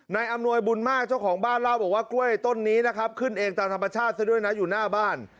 อำนวยบุญมากเจ้าของบ้านเล่าบอกว่ากล้วยต้นนี้นะครับขึ้นเองตามธรรมชาติซะด้วยนะอยู่หน้าบ้าน